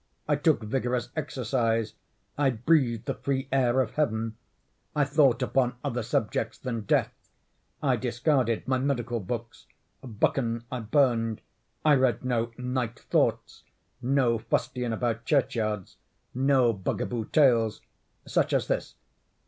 I took vigorous exercise. I breathed the free air of Heaven. I thought upon other subjects than Death. I discarded my medical books. "Buchan" I burned. I read no "Night Thoughts"—no fustian about churchyards—no bugaboo tales—such as this.